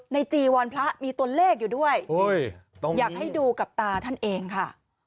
ในจีวรพระมีต้นเลขอยู่ด้วยโอ้ยตรงนี้อยากให้ดูกับตาท่านเองค่ะ